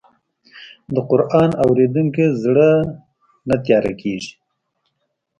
د قرآن اورېدونکی زړه نه تیاره کېږي.